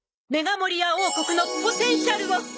メガモリア王国のポテンシャルを！